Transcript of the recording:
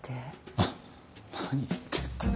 な何言ってんだよ。